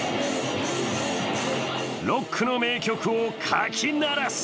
ロックの名曲をかき鳴らす！